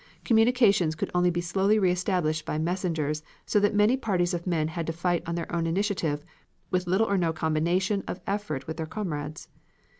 Communications could only be slowly re established by messengers, so that many parties of men had to fight on their own initiative, with little or no combination of effort with their comrades.